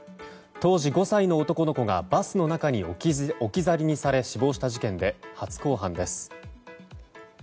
当時５歳の男の子がバスの中に置き去りにされ死亡した事件で初公判です。